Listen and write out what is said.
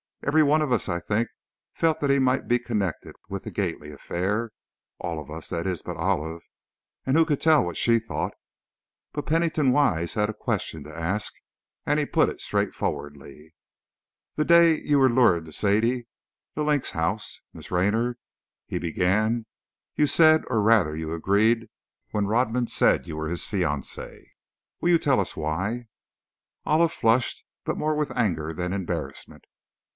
Every one of us, I think, felt that he might be connected with the Gately affair. All of us, that is, but Olive, and who could tell what she thought? But Pennington Wise had a question to ask, and he put it straightforwardly. "That day you were lured to Sadie 'The Link's' house, Miss Raynor," he began, "you said, or rather, you agreed when Rodman said you were his fiancée. Will you tell us why?" Olive flushed, but more with anger than embarrassment.